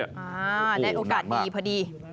ได้โอกาสดีพอดี